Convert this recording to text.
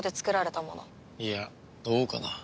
いやどうかな。